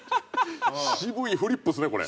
渋いフリップですねこれ。